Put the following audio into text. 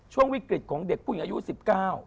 ช่วงวิกฤทธิ์ของเด็กผู้หญิงอายุ๑๙